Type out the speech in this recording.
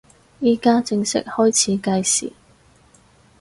依家正式開始計時